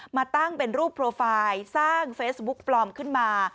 มาตั้งเป็นรูปโปรไฟล์สร้างเฟซบุ๊กปลอมขึ้นมา